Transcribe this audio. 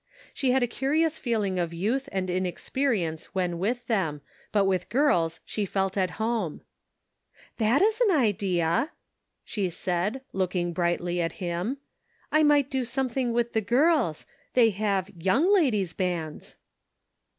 She had a curious feeling of 232 The Pocket Measure. youth and inexperience when with them, but with girls she felt at home. " That is an idea !" she said, looking brightly at him. "I might do something with the girls ; they have Young Ladies' Bands."